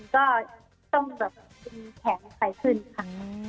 คือต้องแบบมีแขนไสขึ้นค่ะ